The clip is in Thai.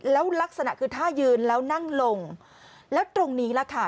แล้วลักษณะคือท่ายืนแล้วนั่งลงแล้วตรงนี้ล่ะค่ะ